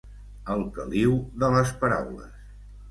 Al caliu de les paraules.